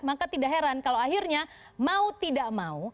maka tidak heran kalau akhirnya mau tidak mau